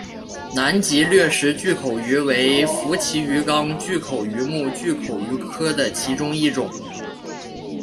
南极掠食巨口鱼为辐鳍鱼纲巨口鱼目巨口鱼科的其中一种。